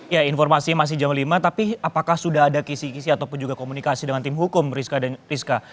ya informasi masih jam lima tapi apakah sudah ada kisi kisi ataupun juga komunikasi dengan tim hukum rizka